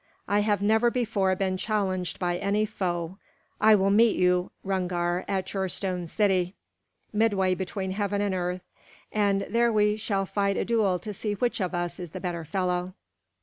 "I have never before been challenged by any foe. I will meet you, Hrungnir, at your Stone City, midway between heaven and earth. And there we will fight a duel to see which of us is the better fellow."